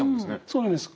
そうなんです。